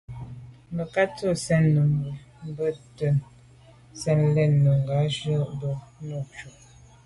Mə̀kát jɔ́ tɔ̀ɔ́ lá’ nùngà bú tɛ̀ɛ́n ndzjə́ə̀k nə̀ lɛ̀ɛ́n nùngá zə́ bú nùú cúp.